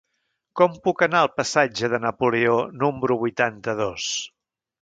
Com puc anar al passatge de Napoleó número vuitanta-dos?